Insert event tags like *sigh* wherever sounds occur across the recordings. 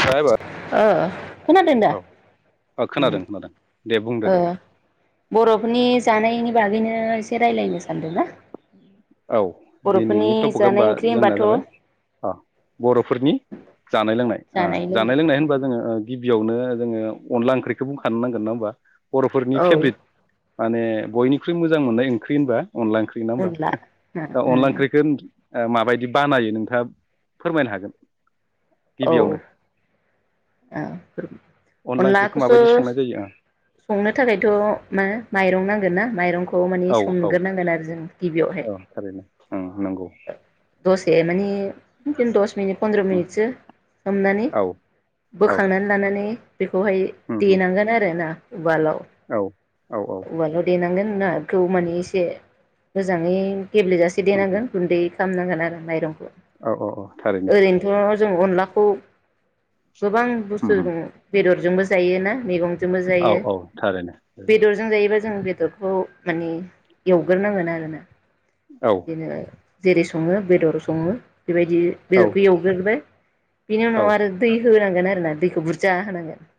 नोंथाङा एबार ओ खोनादों दा औ औ उम खोनादों खोनादों दे बुंदो ओ दे बर'फोरनि जानायनि बागैनो नों एसे रायलायनो सानदोंना औ बर'फोरनि दिनैनि टपिक जानाय होमबा ओंख्रि जोंना होनबाथ' जाबाय अ बर'फोरनि जानाय लोंनाय जानाय लोंनाय होनबा जोङो गिबि बियावनो जोङो अनला ओंख्रिखौ बुंखानो नांगोन नङा होनोमबा बर'फोरनि औ फेभरेट माने बयनिख्रुइ मोजां मोननाय ओंख्रि होनबा अनला ओंख्रि नङा होमबा अनला उम ओंख्रिखो ओ माबायदि बानायो नोंथाङा फोरमायनो हागोन? औ ओ गिबियावनो अनला ओंख्रिखौ अनलाखौस' माबायदि संनाय जायो संनो थाखायथ' मा माइरं नांगोन ना माइरंखौ खौ माने ओ सम औ औ नुग्रोनांगोन आरो जों गिबियावहाय औ थारैनो ओं नंगौ दसे माने दिनो दस मिनिट पन्द्र ओं मिनिटस हमनानै औ औ बोखांनानै लानानै बेखौहाय उम उम देनांगोन आरोना बाल' औ औ औ उवाल' दैेनांगोन जुनारखौ माने एसे मोजाङै गेब्लेेजासे उम देनांगोन गुन्दै खामनांगोन‌ आरो मायरं औ औ औ थारैनो जों अनलाखौ गोबां उम बुस्थु उम द बेदर जोंबो जायोना मैगंजोंबो औ जायो औ थारैनो औ बेदरजों जायोबा जों बेदरखौ माने एवग्रोनांगोन आरोना औ बिदिनो जेरै सङो बेदर सङो बेबायदि औ बेदरखौ एवग्रोबाय बिनि उनाव आरो दै होनांगोन आरोना दैखौ बुरजा होनांगोन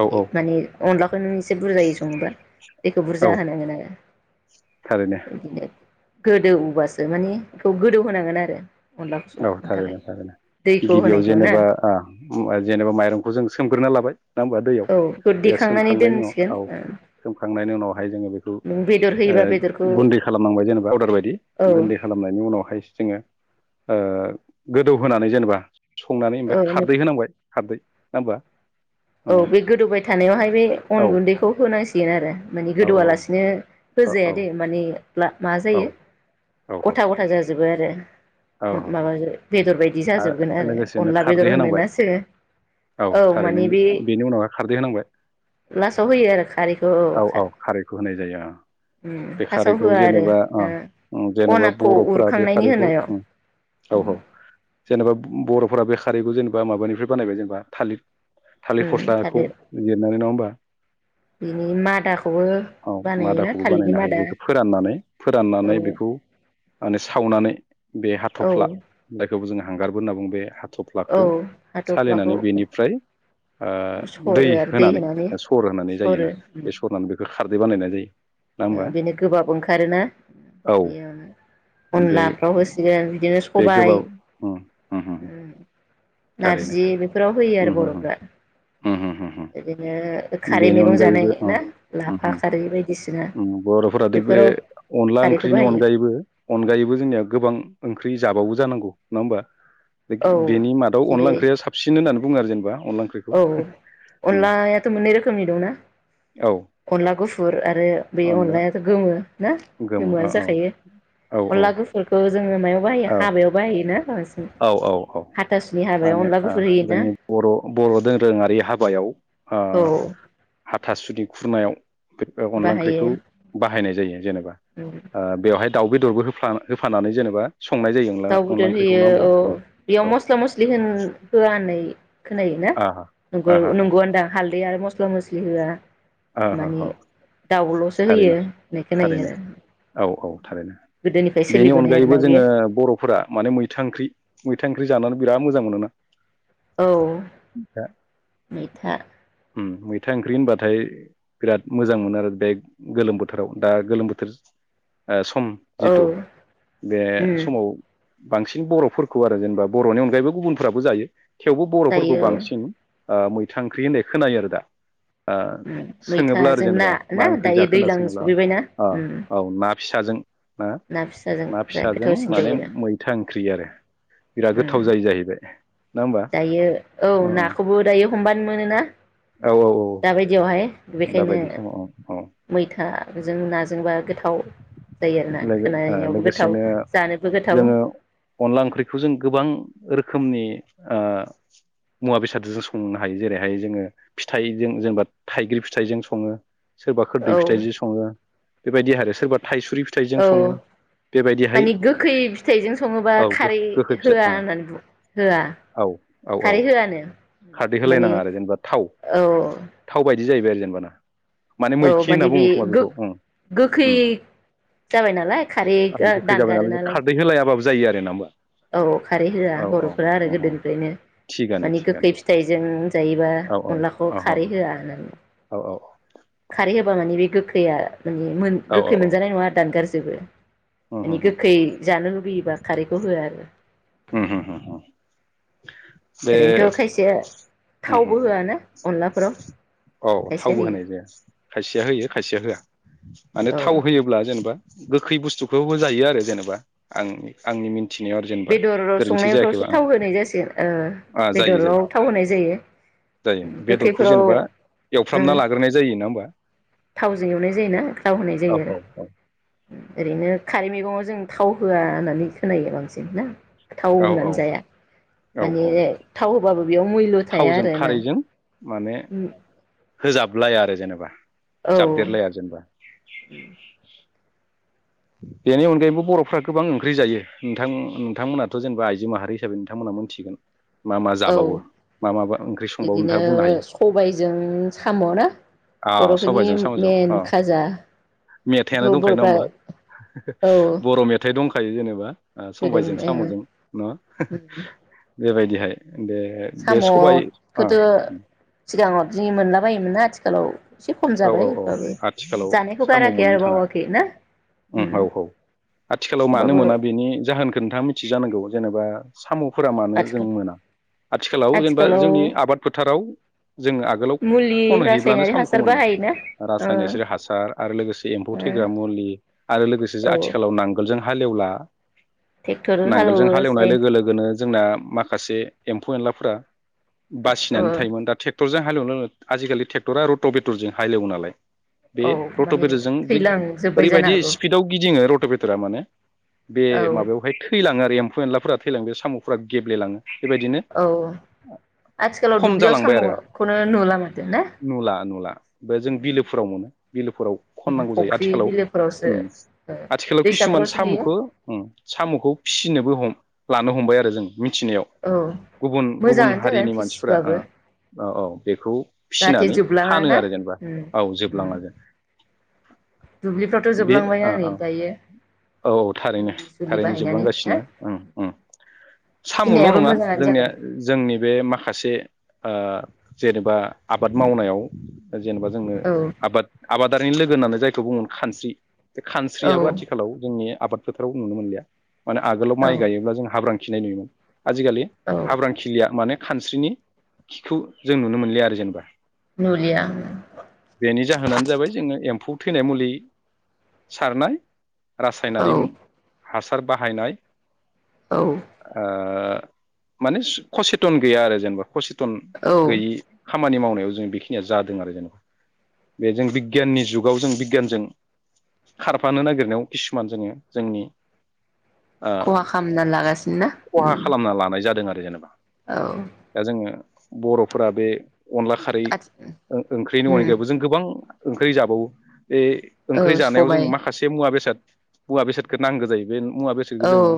औ औ माने अनलाखौ नों एसे बुरजायो सङोबा दैखौ औ बुरजा होनांगोन आरो थारैनो बिदिनो गोदौबासो मानिे बेखौ गोदौ होनांगोन आरो अनलाखौ औ संनो थाखाय थारैनो थारैनो दैखौ गिबियाव ओ होनायखौ ना जेनेबा ओ जेनेबा माइरंखौ जों सोमग्रोना लाबाय नङा होमबा दैयाव औ बेखौ बेयाव देखांनानै सोमखांनायनि दोनसिगोन उनाव औ सोमखांनायनि उनावहाय जोङो बेखौ नों बेदर ओ होयोबा बेदरखौ गुन्दै खालामलांबाय जेनेबा अर्दार बायदि औ गुन्दै खालामनायनि उनावहाय जोङो ओ गोदौ होनानै जेनेबा संनानै औ ओमफ्राय खारदै होनांबाय खारदै होनबा औ बे गोदौबाय थानायावहाय बे अन औ गुन्दैखौ होन नांसिगोन आरो। माने औ गोदौआलासिनो औ होजाया औ दे माने ला मा औ जायो औ गथा गथा जाजोबो आरो। औ औ माबाजो बे बिदि जाजोबगोन आरो लोगोसेनो अनला बेदर खारदै होनांबाय होनोनासो। औ थारैनो मानि बि बेनि उनावहाय खारदै होनांबाय लास्टाव होयो आरो खारैखौ औ होनाय जायो ओ। बे फार्स्टआव खारैखौ होआ जेनेबा आरो ओ जेनेबा ओ अनाखौ बर'फोरा बे उरखांनायनि खारैखौ होनायाव ओ औ औ। जेनेबा बर'फोरा बे खारैखौ जेनेबा माबानिफ्राय बानायबाय जेनेबा थालिर। थालिर उम फस्लाखौ थालिर लिरनानै नङा होमबा? बिनि मादाखौबो औ बानायोना मादाखौबो थालिरनि बानायनो हायो मादा बेखौ फोराननानै औ फोराननानै बेखौ माने सावनानै बे औ हाथ'फ्ला बे खौबो जों हांगारबो होनना बुं बे हा औ थफ्लाखौ हाथ'फ्लाखौ सालिनानै बेनिफ्राय ओ दै होनानै ओ सर होनानै सरो जायोना बे सरनानै बेखो खारदै बानायनाय जायो। नङा ओ होमबा बेनो गोबाब ओंखारोना? औ बेयाव बे अनलाफ्राव होसिगोन बिदि बेयो बे सबाय गोबाव उम उम। थारैनो नारजि बेफोराव होयो आरो उम उम बर'फ्रा। उम उम उम उम ओदिनो खारै बेनि मैगं जानाय अनगायैबो ना लाफा खारै बायदिसिना बर'फोरा दे बे बेफोराव अनला खारैखौ ओंख्रिनि बाहायो अनगायैबो अनगायैबो जोंनिया गोबां ओंख ख्रि जाबावो जानांगौ नङा होमबा? दि औ गि बेनि माद अनला जेरै ओंख्रिया साबसिन होननानै बुं आरो जेनेबा। अनला ओंख्रिखौ औ उम अनलायाथ' मोननै रोखोमनि दंना। औ अनला गुफुर आरो बे अनला अनलायाथ' गोमो। ना गोमो औ गोमोआनो औ जाखायो। औ अनला गुफुरखौ जोङो मायाव बाहायो औ हाबायाव बाहायो। औ औ औ हाबायाव माने अनला ओ गुफुर होयोना जोंनि बर' बर' दो दोरोङारि हाबायाव ओ औ हाथासुन बि खुरनायाव अनला बाहायो ओंख्रिखौ बाहायनाय जायो जेनेबा उम ओ बेवहाय दाउ बेदरबो होफ होफानानै जेनेबा संनाय जायो अनला दाउ अनला बेदर ओंख्रिख होयो औ बेयाव मस्ला मस्लि होन होया होननाय खोनायो। *unintelligible* आहा नंगौ आहा नंगौआनोदा हाल दै आरो मस्ला मसलि होया। *unintelligible* होयो थारैनो होननाय खोनायो थारैनो आरो औ औ थारैनो गोदोनिफ्राय बेनि सोलिबोनाय आरोना अनगायैबो बेयो जोङो बर'फोरा माने मैथा ओंख्रि मैथा ओंख्रि जानानै बिराद मोजां मोनोना? औ दा मैथा था ओंख्रि होनबाथाय बिराद मोजां मोनो आरो बे गोलोम बोथोराव दा गोलोम बोथोर ओ सम जिथु औ बे उम समाव बांसिन बर'फोरखौ आरो जेनेबा बर'नि अनगायैबो गुबुनफोराबो जायो। थेवबो बर'फोरखौ जायो औ बांसिन ओ मैथा ओंख्रि होननाय खोनायो आरो दा ओ उम सोङोब्ला आरो मैथाजों ना जेनेबा मा ना ओंख्रि दायो जाखो होनना दैज्लां सोङोब्ला सफैबायना‌ अ उम औ ना फिसाजों ना फिसाजों ना जा फिसाजों गोथावसिन माने जायो आरो मैथा ओंख्रि आरो बिराद गोथाव उम जायो जाहैबाय। नङा होमबा दायो औ अ नाखौबो दायो हमबानो मोनोना? औ औ दाबायदियावहाय बेखायनो दाबायदि समाव ओं मैथाजों नाजोंबा गोथाव जायो *unintelligible* आरोना ओ खोनानायावबो गोथाव लोगोसेनो जानोबो गोथाव जोङो अनला ओंख्रिखौ जों गोबां रोखो खोमनि ओ मुवा बेसादजो जों संनो हायो जेरैहाय जोङो फिथाइजों जेनेबा थाइग्रि फिथाइजों सङो सोरबा औ खोरदै फिथाइजो सङो। बेबायदि आरो सोरबा थाइसुरि फिथाइजों औ सङो बेबायदिहाय मानि गोखै फिथाइजों सङोबा औ खारै गोखै होआ फिथाइ होननानै होआ औ औ औ खारै होआनो खारदै माने होलायनाङा औ बिदि जाहैबाय आरो जेनबा ना? औ मैखि होनना माने बे बुङो खोमा बेखौ ओं गो-गोखै ओम जाबाय नालाय खारै आरो गोखै जाबाय दानगारो जों नालाय खारदै होलायाबाबो जायो आरो ना होमबा औ खारै होआ औ औ बर'फोरा आरो अ अ गोदोनिफ्रायनो थिगानो मानि गोखै थिगानो फिथाइजों जायोबा औ औ अनलाखौ अ अ खारै होआ होननानै औ खारै होबा माने बे गोखैया माने औ गोखै मोनजानाय नङा दानगार जोबो मानि गोखै जानो लुुबैयोबा खारैखौ होआ आरो औ औ ओरैनोथ' बे खायसे थावबो होआना अनलाफोराव औ खायसेया थावबो होयो होनाय जाया खायसेया होयो खायसेया होआ माने औ थाव होयोब्ला जेनेबा गोखै बुस्थुखौ होजायो आरो जेनेबा आं-आंनि मिनथि बेदर संनायफ्रावसो थाव होनाय जासिगोन आं जायो बेदराव जायो थाव होनाय जायो जायो बेदरखौ गोखैफोराव जेनेबा ओ एवफ्रामना लाग्रोनाय जायो ना होमबा थावजों एवनाय जायोना थाव होनाय औ जायो आरो औ औ ओरैनो खारै मैगङाव जों थाव होआ होननानै खोनायो बांसिन ना थाव औ औ होनानै औ जाया औ माने औ थाव होबाबो बेयाव मुल' थाया थावजों आरो ना खारैजों माने होजाबलाया आरो जेनेबा औ जाबदेरलाया जेनबा बेनि अनगायैबो बर'फ्रा गोबां ओंख्रि जायो नोंथां नोंथांमोनाथ' जेनेबा आइजो माहारि हिसाबै नोंथांमोना मोनथिगोन मा मा औ जाबावो मा माबा ओंख्रि संबावो बिदिनो नोंथाङा बुंनो हायो सबायजों साम' ना अ बर'फोरनि सबायजों साम'जों अ मेन खाजा मेथाइआनो बेखौ दंखायो नङा बर'फ्रा होमबा औ बर' मेथाइ दंखायो जेनेबा गोदो सबायजों साम'जों नङा बेबायदिहाय दे बे सबाय साम'खौथ' सिगाङाव जि मोनला बायोमोन ना आथिखालाव एसे खम औ जाबाय औ औ होमबाबो आथिखालाव जानायखौ साम' गाराखै मोननो आरो थाङा बावाखै ना औ औ आथिखालाव मानो होमबाबो मोना बेनि जाहोनखौ नोंथाङा मिथि जानांगौ जेनेबा साम'फोरा मानो जों आथिखाल मोना आथिखालाव जेनेबा जोंनि आथिखालाव आबाद फोथाराव जोङो आगोलाव मुलि खनहैयोब्लानो रासायनारि साम'खौ हासार बाहायोना मोनोमोन ओ रासायनक स हासार आरो लोगोसे एम्फौ ओ थैग्रा मुलि आरो लोगोसे ज औ आथिखालाव नांगोलजों हालेवला ट्रेक्टर नांगोलजों हालौवो हालेवनाय जाय लोगो लोगोनो जोंना माखासे एम्फौ एनलाफोरा ओ बासिनानै थायोमोन दा ट्रेक्टर जों आजिखालि ट्रेक्टर आरो'ब बे रजों हालौ नालाय। बे औ रट' माने बेदेरजों थैलांजोब्बाय जानो ओरैबायदि हागौ स्पिडआव गिदिङो रट' बेर माने बे औ माबायावहाय थैलाङो आरो। एम्फ एनलाफोरा थैलां बे साम'फोरा गेब्लेलाङो बेबायदिनो औ आथिखालाव खम दुब्लियाव जालांबाय आरो साम'खौनो नुलालामादो ना। नुला नुला बे जों बिलोफोराव मोनो *inaudible* बिलोफोराव खननांगौ जायो फुख्रि आथिखालाव बिलोफोरावसो ओ आथिखालाव किसुमान दैसाफोरावसो नुयो साम'खौ साम'खौ फिसिनोबो हम। लानो हमबाय आरो जों। मिथिनायाव औ गुबुन गुबुन मोजाङानो जागोन हारिनि मानसिफोरा फिसिबाबो औ औ। बेखौ जाहाथे फिसिनानै जोबलाङा फानो ना। आरो जेनेबा उम औ उम जोबलाां जोन दुब्लिफ्रावथ' *inaudible* बे जोबलांबायना औ नै दायो औ थारैनो मुलि सुलि थारैनो बाहायनानै ना जोबलांगासिनो साम'ल' फिनायाबो नङा मोजाङानो जोंनिया जागोन जोंनि बे माखासे सासे जेनेबा आबाद मावनायाव जेनेबा जोंनो औ आबाद आबाद। आदारनि लोगो होननानै जायखौ बुोमोन खानस्रि। बे औ खानस्रियाबो आथिखालाव जोंनि आबाद फोथाराव नुनो मोनलिया माने आगोलाव माइ औ गायोब्ला जों हाब्रां खिनाय नुयोमोन आजिखालि औ हाब्रांखिलिया माने खानस्रिनि खिखौ जों नुनो मोनलिया आरो जेनेबा। नुलिया। बेनि जाहोनानो जाबाय जोङो एम्फौ थैनाय मुलि सारनाय औ रासायनारि हास सार बाहायनाय औ ओ। माने कसेथन गैया आरो जेनेबा कसेथ थन औ गैयि खामानि मावनायाव जों बेखिनिया जा आरो जा बे जों बिगियाननि जुगाव जों बिगियानजों खारफानो नागिरनायाव किसुमान जोङो जोंनि खहा ओ खालामना लागासिनोना द जेनबा दा जोङो बर'फोरा बे अनला खारै आथि ओंख्रिनि उम अगायाबबो जों गोबां ओंख्रि जाबावो बे औ ओंख्रि जानायाव जों सबाय माखासे मुवा बेसाद औवा बेसादखो नांगौ जायो। बे मुवा बेसादखौ औ जोङो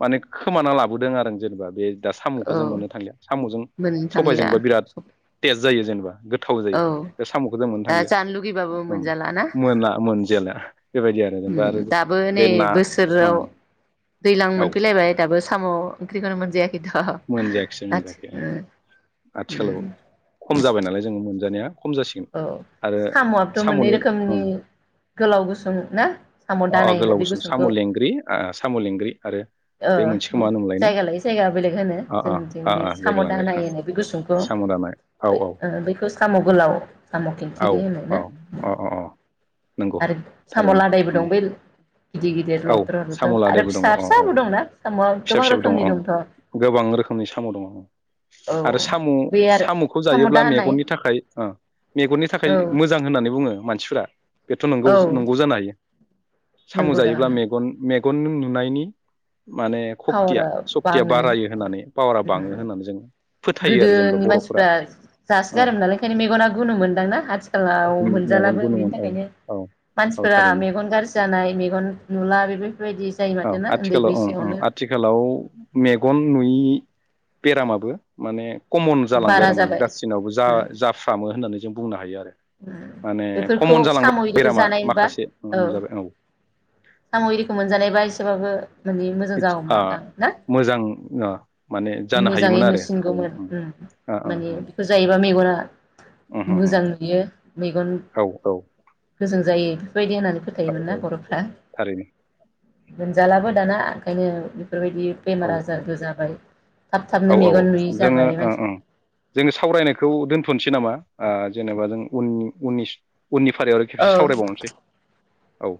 माने खोमाना लाबोदों आरो जेनेबा बे दा औ साम'खौ जों मोननो थांलिया साम'जों मोननो थांलिया सबायजोंबो बिराद तेज जायो जेनेबा गोथ थाव जायो औ बे साम'खौ जों मोननो दा थांलिया जानो लुगैबाबो उम मोना मोनजेला। उम उम दाबो नै औ बोसोराव दैलां औ मोनफैलायबाय दाबो साम' ओंख्रिखौनो मोन मोनजायाखिसै मोनजायाखै ओ आथिखालाव उम खम जाबाय नालाय जोंङो मोनजानाया खम जासिगोन औ आरो साम'आथ' मोननै साम'नि रोखोमनि ओं गोलाव गुसुं ना साम' अ अ दानाय होनो गोलाव बे गुसुं गुसुंखौ साम' लेंग्रि ओ साम' लेंग्रि आरो ओ बे मोनसेखौ मा गु होनोमोनलायनो जायगा लायै जायगा बे लेग होनो अ अ जोंनिथिं अ बे अ जायगा साम' लानाय ओ दानाय होनो बे गुसुंखौ साम' दानाय औ बे औ ओ बैखौ साम' गोलाव। साम' औ खेंखिरि औ होनोना अ अ अ नंगौ आरो साम' थारैनो लादायबो उम दं बैल औ साम' लादायबो दङ अ औ फिसाबो दंना साम'आ फिसा गोबां फिसाबो दं रोखोमनि ओं दंथ' औ गोबां रोखोमनि साम' दङ ओं आरो साम' बे आरो साम'खौ साम' जायोब्ला दा होनाय मेगननि थाखाय ओ मेगननि थाखाय औ मोजां होननानै बुङो। मानसिफोरा। बेथ' नोंगौ औ जो नोंगौ जानो हायो। साम' नंगौ दा जायो ब्ला मेगन मेग गन नुनायनि माने सक्तिया पावारा सक्तिया बाङो बारायो होननानै पावारा उम बाङो होननानै जों फोथायो आरो जेनेबा गोदोनि बर'फोरा मानसिफ्रा जासो ओ गारोमोन नालाय ओंखायनो मेगना गुनु मोनदांना आथिखालाव मोनजालाबो मेगनखौ बेनि नुगोन औ थाखायनो औ औ मानसिफोरा थारैनो मेगन गाज्रि जानाय मेगन नुला बेफो बेफोरबायदि जायो माथोना उन्दै बैसोआवनो। थिखालाव मेगन नुयि बेरामाबो माने कमन जालांबाय बारा आरो माने जाबाय गासिनावबो जा उम जाफ्रामो होननानै जों बुंनो हायो आरो। उम माने बेफोरखौ कमन जालांबाय साम' एरिखौ बेरामा जानायोबा माखासे औ नुजाबाय साम'एरिखौ मोनजानायबा एसेबाबो माने मोजां आ जागौमोनदां ना मोजां ओ माने जानो मोजाङै हायोमोन आरो नुसिनगौमोन हायोमोन उम ओ ओ मानि बेखौ जायोबा मेगना ओ उम उम मोजां नुयो। मेगन औ औ। गोजों जायो बायदि होननानै औ फोथायोमोन ना औ बर'फ्रा? थारैनो मोनजालाबो दाना ओंखायनो बेफोर बायदि औ बेमार औ आजारबो जाबाय। थाब थाबनो औ औ मेगन नुयि जोङो जाबाय ओं ओं मानसिफोरा जोङो सावरायनायखौ दोनथ'नो सैनामा आ जेनेबा जों उन उननि उननि फारियाव आरो खेबसे औ सावरायबावनोसै। औ।